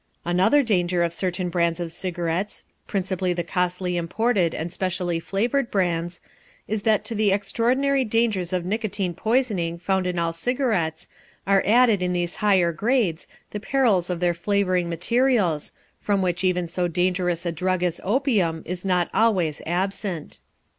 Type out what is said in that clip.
Another danger of certain brands of cigarettes, principally the costly imported and specially flavored brands, is that to the extraordinary dangers of nicotine poisoning found in all cigarettes are added in these higher grades the perils of their flavoring materials, from which even so dangerous a drug as opium is not always absent.